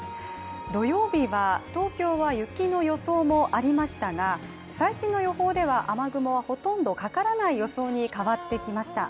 土曜日は東京は雪の予想もありましたが、最新の予報では雨雲はほとんどかからない予想に変わってきました。